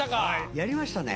やりましたね。